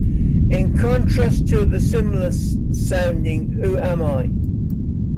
In contrast to the similar-sounding who am I?